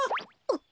あ？